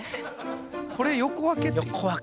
これ横分けって言う？